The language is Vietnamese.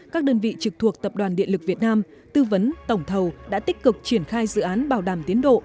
các đơn vị trực thuộc tập đoàn điện lực việt nam tư vấn tổng thầu đã tích cực triển khai dự án bảo đảm tiến độ